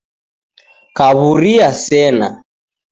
Kawuria sena